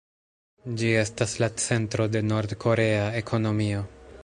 Ĝi estas la centro de Nord-korea ekonomio.